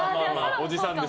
おじさんです。